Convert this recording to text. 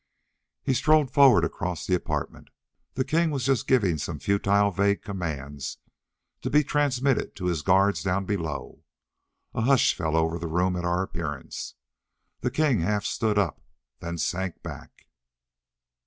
He strode forward across the apartment. The king was just giving some futile, vague command to be transmitted to his guards down below. A hush fell over the room at our appearance. The king half stood up, then sank back.